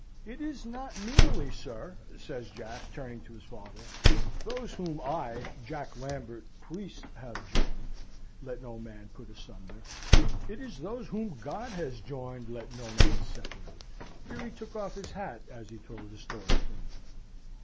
"It is not merely, sir," says Jack, turning to his father, "those whom I, John Lambert, Priest, have joined, let no man put asunder; it is those whom God has joined let no man separate." (Here he took off his hat, as he told the story to me.)